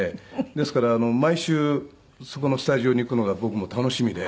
ですから毎週そこのスタジオに行くのが僕も楽しみで。